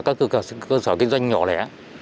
các cơ sở kinh doanh nhỏ lẻ